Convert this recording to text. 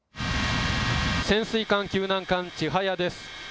潜水艦救難艦ちはやです。